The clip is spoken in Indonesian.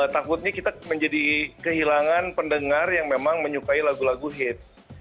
takutnya kita menjadi kehilangan pendengar yang memang menyukai lagu lagu hit